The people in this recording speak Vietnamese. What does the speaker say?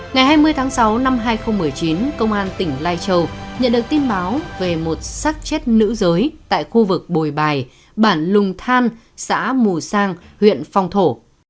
ngày hai mươi tháng sáu năm hai nghìn một mươi chín công an tỉnh lai châu nhận được tin báo về một sát chết nữ giới tại khu vực bồi bài bản lùng than xã mù sang huyện phong thổ